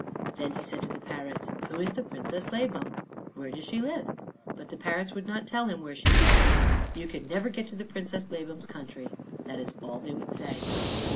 Then he said to the parrots, "Who is the Princess Labam? Where does she live?" But the parrots would not tell him where she lived. "You can never get to the Princess Labam's country." That is all they would say.